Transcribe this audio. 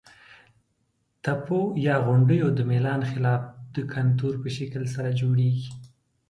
تپو یا غونډیو د میلان خلاف د کنتور په شکل سره جوړیږي.